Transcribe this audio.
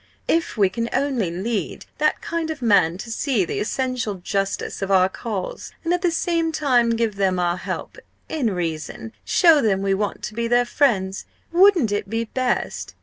If we can only lead that kind of man to see the essential justice of our cause and at the same time give them our help in reason show them we want to be their friends wouldn't it be best?